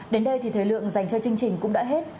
đến đây thì thời lượng dành cho chương trình cũng đã hết